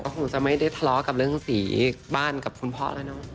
คงจะไม่ได้ทะเลาะกับเรื่องสีบ้านกับคุณพ่อแล้วเนอะ